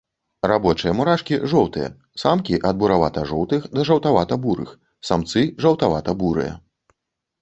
Рабочыя мурашкі, жоўтыя, самкі ад буравата-жоўтых да жаўтавата-бурых, самцы жаўтавата-бурыя.